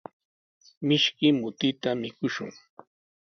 Mishki mutita mikushun.